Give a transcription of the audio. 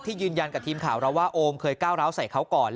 ยืนยันกับทีมข่าวเราว่าโอมเคยก้าวร้าวใส่เขาก่อน